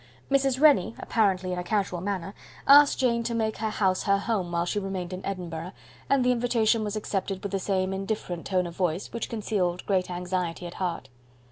Mrs. Rennie, apparently in a casual manner, asked Jane to make her house her home while she remained in Edinburgh; and the invitation was accepted with the same indifferent tone of voice, which concealed great anxiety at heart.